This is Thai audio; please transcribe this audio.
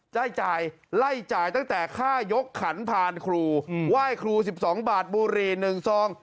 จ่ายไล่จ่ายตั้งแต่ค่ายกขันพานครูไหว้ครู๑๒บาทบุรี๑ซอง